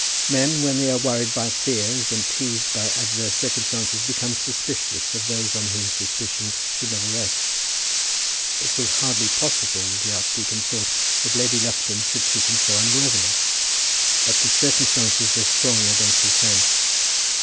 Men when they are worried by fears and teased by adverse circumstances become suspicious of those on whom suspicion should never rest. It was hardly possible, the archdeacon thought, that Lady Lufton should treat him so unworthily, but the circumstances were strong against his friend.